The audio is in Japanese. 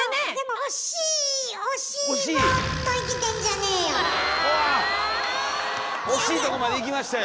惜しいとこまでいきましたよ！